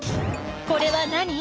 これは何？